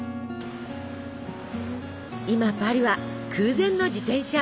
今パリは空前の自転車ブーム。